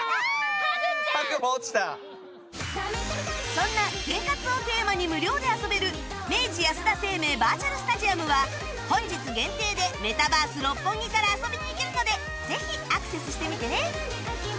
そんな健活をテーマに無料で遊べる明治安田生命バーチャルスタジアムは本日限定でメタバース六本木から遊びに行けるのでぜひアクセスしてみてね！